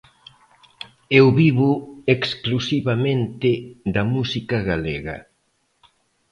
Eu vivo exclusivamente da música galega.